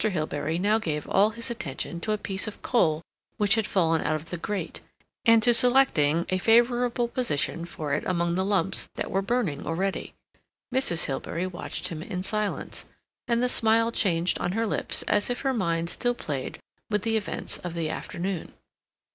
Hilbery now gave all his attention to a piece of coal which had fallen out of the grate, and to selecting a favorable position for it among the lumps that were burning already. Mrs. Hilbery watched him in silence, and the smile changed on her lips as if her mind still played with the events of the afternoon.